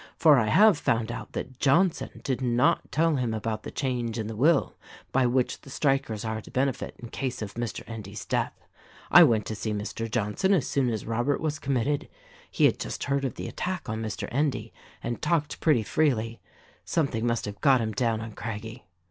For I have found out that Johnson did not tell him about the change in the will by which the strikers are to benefit in case of Mr. Endy's death. I went to see Mr. Johnson as soon as Robert was committed ; he had just heard of the attack on Mr. Endy and talked pretty freely :— something must have got him down on Craggie.